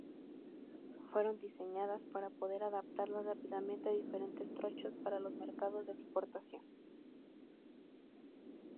Fueron diseñadas para poder adaptarlas rápidamente a diferentes trochas para los mercados de exportación.